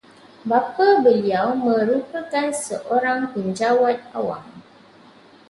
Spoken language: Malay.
Bapa beliau merupakan seorang penjawat awam